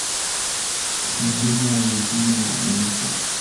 kusaini bajeti ya nyongeza kwa malipo ya shilingi bilioni thelathini na nne za Kenya